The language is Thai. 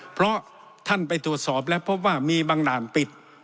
เพราะท่านไปตรวจสอบแล้วพบว่ามีบางด่านปิด